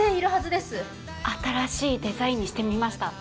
新しいデザインにしてみました。